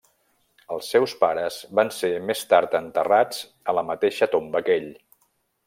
Els seus pares van ser més tard enterrats a la mateixa tomba que ell.